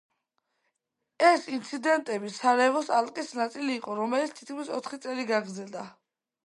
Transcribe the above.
ეს ინციდენტები სარაევოს ალყის ნაწილი იყო, რომელიც თითქმის ოთხი წელი გაგრძელდა.